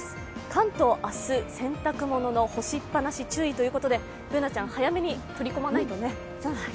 関東、明日洗濯物の干しっぱなし注意ということでＢｏｏｎａちゃん、早めに取り込まないとね。